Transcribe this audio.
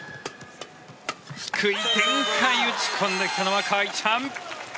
低い展開、打ち込んできたのはカ・イチハン。